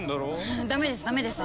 ダメですダメです。